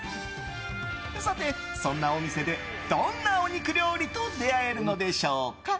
さて、そんなお店でどんなお肉料理と出会えるのでしょうか？